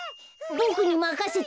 ボクにまかせて。